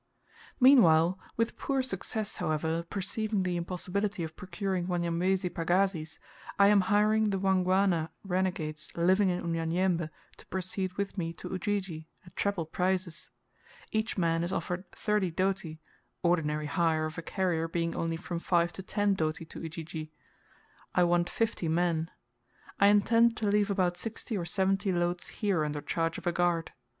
Meanwhile, with poor success, however, perceiving the impossibility of procuring Wanyamwezi pagazis, I am hiring the Wangwana renegades living in Unyanyembe to proceed with me to Ujiji, at treble prices. Each man is offered 30 doti, ordinary hire of a carrier being only from 5 to 10 doti to Ujiji. I want fifty men. I intend to leave about sixty or seventy loads here under charge of a guard.